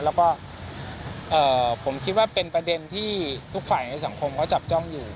แล้วก็ผมคิดว่าเป็นประเด็นที่ทุกฝ่ายในสังคมเขาจับจ้องอยู่